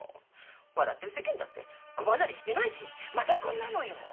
笑ってる世間だって子離れしてないしマザコンなのよ。